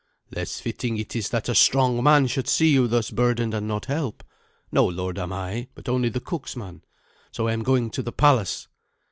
"Less fitting is it that a strong man should see you thus burdened and not help. No lord am I, but only the cook's man. So I am going to the palace."